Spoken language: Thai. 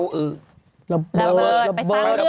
ระเบิดไปสร้างเรื่อง